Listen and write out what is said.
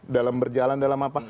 dalam berjalan dalam apa